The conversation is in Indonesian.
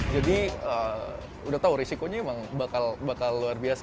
jadi udah tahu risikonya emang bakal luar biasa